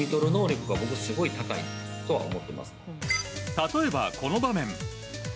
例えば、この場面。